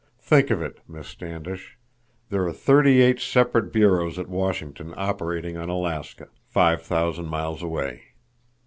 Think of it, Miss Standish! There are thirty eight separate bureaus at Washington operating on Alaska, five thousand miles away.